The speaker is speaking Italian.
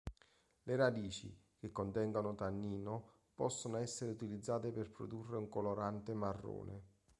Le radici, che contengono tannino possono essere utilizzate per produrre un colorante marrone.